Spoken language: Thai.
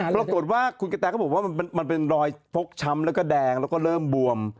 ปรากฏว่าคุณกะแตก็บอกว่ามันเป็นรอยฟกช้ำแล้วก็แดงแล้วก็เริ่มบวม